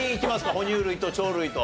ほ乳類と鳥類と。